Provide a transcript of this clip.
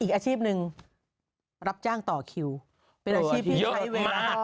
อีกอาชีพหนึ่งรับจ้างต่อคิวเป็นอาชีพที่ใช้เวลา